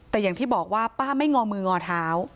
แต่อย่างที่บอกว่าป้าไม่งอมืองอเท้า